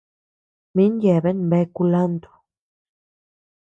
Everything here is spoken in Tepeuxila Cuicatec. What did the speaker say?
Min yeabean bea kulanto.